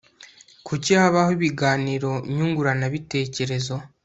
kuki habaho ibiganiro nyunguranabitekerezo